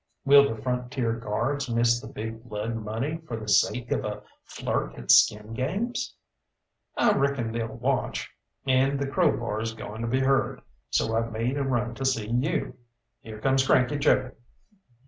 "Will the Frontier Guards miss the big blood money for the sake of a flirt at skin games?" "I reckon they'll watch, and the crowbar's going to be heard. So I made a run to see you. Here comes Cranky Joe."